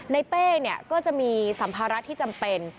เป้ก็จะมีสัมภาระที่จำเป็น